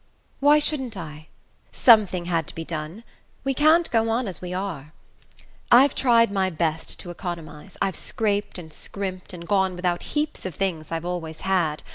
"Why shouldn't I? Something had to be done. We can't go on as we are. I've tried my best to economize I've scraped and scrimped, and gone without heaps of things I've always had.